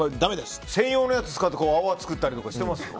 専用のやつ使って泡作ったりしてますよ。